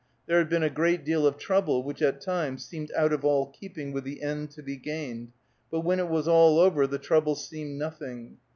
There had been a great deal of trouble which at times seemed out of all keeping with the end to be gained, but when it was all over, the trouble seemed nothing.